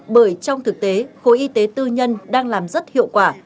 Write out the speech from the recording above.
bởi trong thực tế khối y tế tư nhân đang làm rất hiệu quả